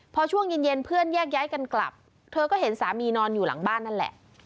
พอช่วงเย็นเพื่อนแยกย้ายกันกลับเธอก็เห็นสามีนอนอยู่หลังบ้านนั่นแหละ